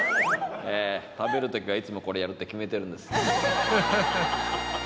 え食べるときはいつもこれやるって決めてるんです。